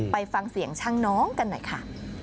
ไปฟังเสียงช่างน้องกันหน่อยค่ะ